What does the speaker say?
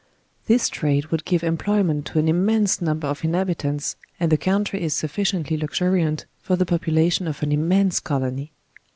This trade would give employment to an immense number of inhabitants, and the country is sufficiently luxuriant for the population of an immense colony.